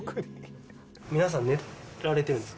皆さん、寝られてるんですか？